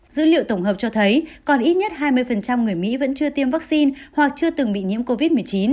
dữ liệu tổng hợp cho thấy còn ít nhất hai mươi người mỹ vẫn chưa tiêm vaccine hoặc chưa từng bị nhiễm covid một mươi chín